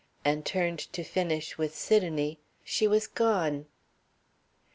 and turned to finish with Sidonie she was gone.